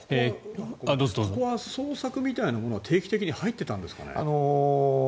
ここは捜索みたいなものは定期的に入ってたんですかね？